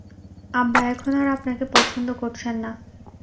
আব্বা এখন আর আপনাকে পছন্দ করছেন না।